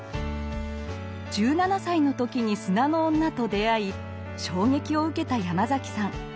１７歳の時に「砂の女」と出会い衝撃を受けたヤマザキさん。